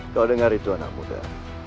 kalau dengar itu anak muda